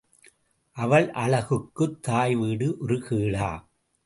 அவள் அழகுக்குத் தாய் வீடு ஒரு கேடா?